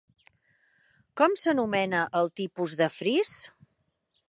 Com s'anomena el tipus de fris?